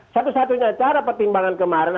satu satunya cara pertimbangan kemarin